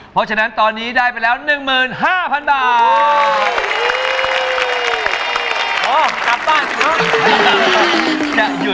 เพราะฉะนั้นตอนนี้ได้ไปแล้ว๑๕๐๐๐บาท